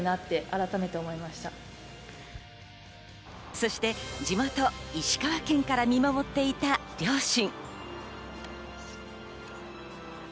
そして地元石川県から見守っていた両親。